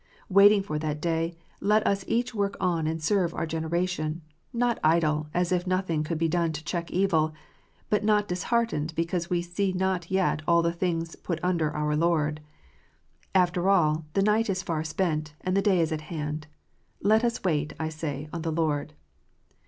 Waiting for that day, let us each work on and serve our generation ; not idle, as if nothing could be done to check evil, but not disheartened because we see not yet all things put under our Lord. After all, the night is far spent, and the day is at hand. Let us wait, I say, on the Lord.